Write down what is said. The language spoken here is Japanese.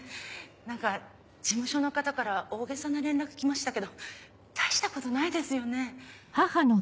何か事務所の方から大げさな連絡きましたけど大したことないですよね？